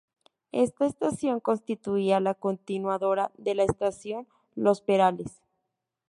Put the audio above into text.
Esta estación constituía la continuadora de la Estación Los Perales.